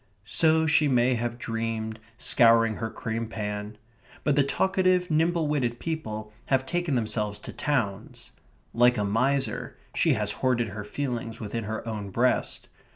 So she may have dreamed, scouring her cream pan. But the talkative, nimble witted people have taken themselves to towns. Like a miser, she has hoarded her feelings within her own breast.